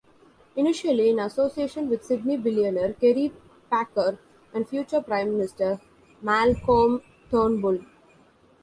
Initially in association with Sydney billionaire Kerry Packer and future Prime Minister Malcolm Turnbull.